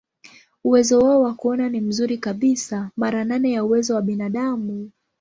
Uwezo wao wa kuona ni mzuri kabisa, mara nane ya uwezo wa binadamu.